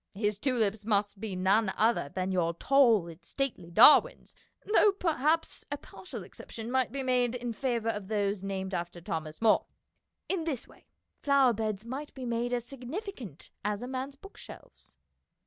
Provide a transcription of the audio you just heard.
His tulips must be none other than your " tall and stately Darwins," though perhaps a partial exception might be made in favour of those named after Thomas Moore. In this way flower beds might be made as significant as a man's bookshelves.